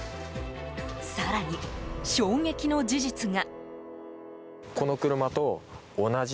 更に、衝撃の事実が。